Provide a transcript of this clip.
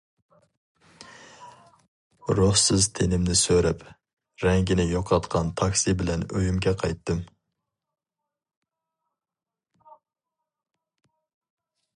روھسىز تېنىمنى سۆرەپ رەڭگىنى يوقاتقان تاكسى بىلەن ئۆيۈمگە قايتتىم.